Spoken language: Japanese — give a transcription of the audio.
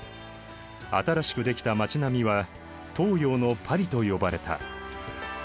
新しくできた町並みは東洋のパリと呼ばれた。